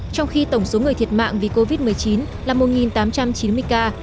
trong khi tổng số người thiệt mạng vì covid một mươi chín là một tám trăm chín mươi ca